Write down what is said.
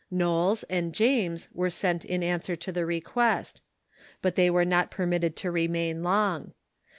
Knolls and James were sent in answer to the request. But they Avere not per mitted to remain long.